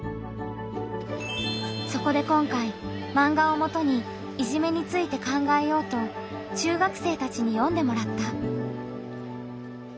そこで今回マンガをもとにいじめについて考えようと中学生たちに読んでもらった。